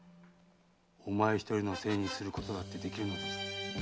お前ひとりのせいにすることもできるのだぞ。